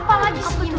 apa lagi sih ini